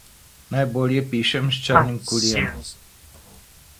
Najbolje pišem s črnim kulijem.